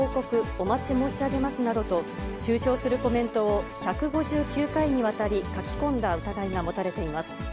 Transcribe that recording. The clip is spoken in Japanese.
お待ち申し上げますなどと、中傷するコメントを、１５９回にわたり書き込んだ疑いが持たれています。